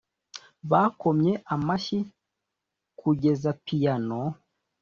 bakomye amashyi kugeza piyano